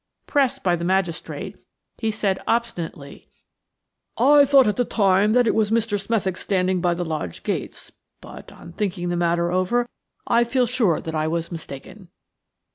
Pressed by the magistrate, he said obstinately: "I thought at the time that it was Mr. Smethick standing by the lodge gates, but on thinking the matter over I feel sure that I was mistaken."